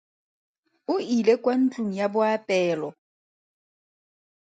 O ile kwa ntlong ya boapeelo.